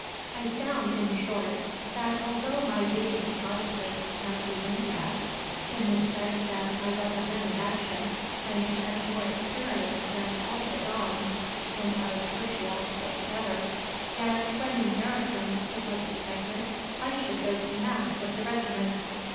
I found, in short, that although my being a Protestant might be winked at, in respect that I was a man of action, and had more experience than all the Dons in our TERTIA put together, yet, when in garrison, it was expected I should go to mass with the regiment.